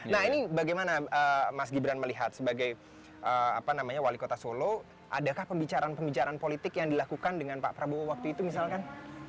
nah ini bagaimana mas gibran melihat sebagai wali kota solo adakah pembicaraan pembicaraan politik yang dilakukan dengan pak prabowo waktu itu misalkan